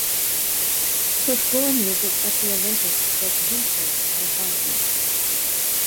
Her floor music at the Olympics was "Winter" by Bond.